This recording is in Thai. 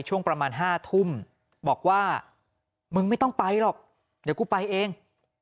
ช่วงประมาณ๕ทุ่มบอกว่ามึงไม่ต้องไปหรอกเดี๋ยวกูไปเอง